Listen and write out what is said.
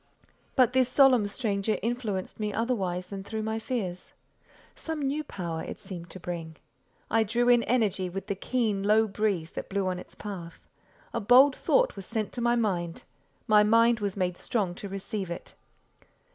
But this solemn stranger influenced me otherwise than through my fears. Some new power it seemed to bring. I drew in energy with the keen, low breeze that blew on its path. A bold thought was sent to my mind; my mind was made strong to receive it.